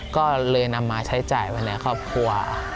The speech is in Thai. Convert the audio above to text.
ก็เลยนำมาใช้จ่ายไว้ในครอบครัว